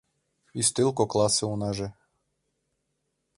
Ӱстел кокласе унаже